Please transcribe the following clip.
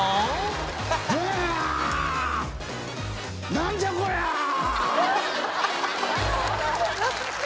何じゃこりゃっ！